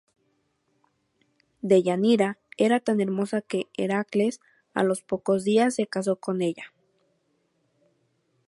Deyanira era tan hermosa que Heracles, a los pocos días, se casó con ella.